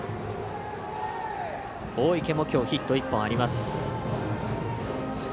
大池もきょうヒット１本あります。